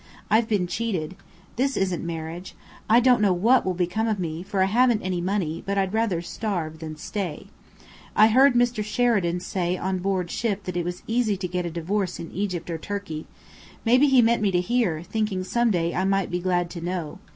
I've been cheated. This isn't marriage! I don't know what will become of me, for I haven't any money, but I'd rather starve than stay. I heard Mr. Sheridan say on board ship that it was easy to get a divorce in Egypt or Turkey. Maybe he meant me to hear, thinking some day I might be glad to know.